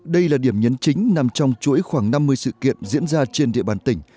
đây là điểm nhấn chính nằm trong chuỗi khoảng năm mươi sự kiện diễn ra trên địa bàn tỉnh